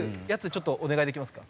ちょっとお願いできますか？